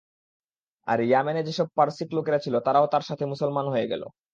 আর ইয়ামেনে যেসব পারসিক লোকেরা ছিল তারাও তার সাথে মুসলমান হয়ে গেল।